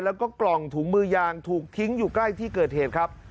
แล้วก็กล่องถุงมือยางถูกทิ้งอยู่ใกล้ที่เกิดเหตุครับ